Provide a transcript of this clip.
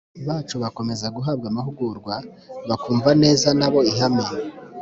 bacu bakomeza guhabwa amahugurwa bakumva neza na bo ihame